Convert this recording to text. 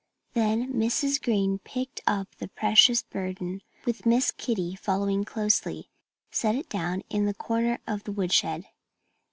Then Mrs. Green picked up the precious burden and with Miss Kitty following closely, set it down in a corner of the woodshed.